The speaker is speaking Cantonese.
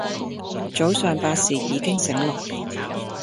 早上八時已經醒來